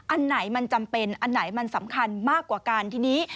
อันไหนมันจำเป็นอันไหนมันสำคัญมากกว่ากันทีนี้